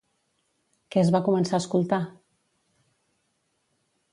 Què es va començar a escoltar?